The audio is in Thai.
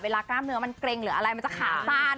เวลาก้ามเนื้อเคร่งจะขาสัน